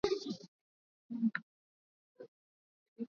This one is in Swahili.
mnamo mwaka elfu moja mia tisa ishirini na tano Koboko au Kampala